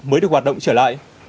mới được hoạt động trở lại